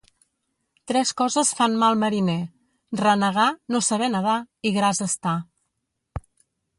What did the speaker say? Tres coses fan mal mariner: renegar, no saber nedar i gras estar.